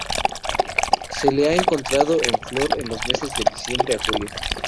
Se le ha encontrado en flor en los meses de diciembre a julio.